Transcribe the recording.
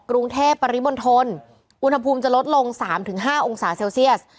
กรุงเทพฯปริบนทนอุณหภูมิจะลดลงสามถึงห้าองศาเซลเซียส